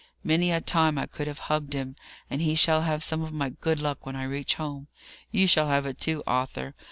Many a time I could have hugged him! and he shall have some of my good luck when I reach home. You shall have it too, Arthur!